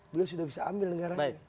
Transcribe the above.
beliau sudah bisa ambil negara ini